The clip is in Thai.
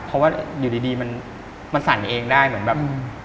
เพราะว่าอยู่ดีมันสั่นเองได้เหมือนแบบ